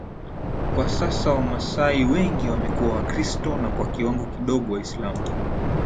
Kwa sasa Wamasai wengi wamekuwa Wakristo na kwa kiwango kidogo Waislamu